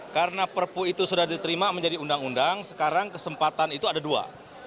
karena perpu itu sudah diterima menjadi undang undang sekarang kesempatan itu ada dua